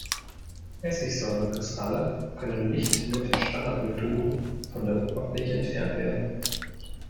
Essigsäure-Kristalle können nicht mit Standardmethoden von der Oberfläche entfernt werden.